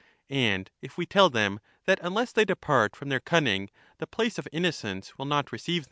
And if we tell them, that unless they depart The wicked from their cunning, the place of innocence will not receive j^"?"